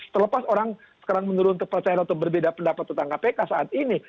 terlepas orang sekarang menurun kepercayaan atau berbeda pendapat tentang kpk saat ini